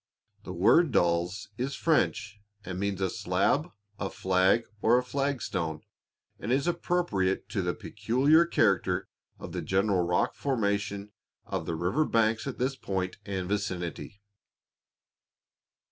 The word "Dalles" is French, and means a slab, a flag or a flagstone, and is appropriate to the peculiar character of the general rock formation of the river banks at this point and vicinity.